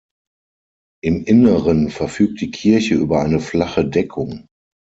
Im Inneren verfügt die Kirche über eine flache Deckung.